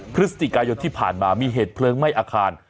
พฤศจิกายนที่ผ่านมามีเหตุเพลิงไหม้อาคาร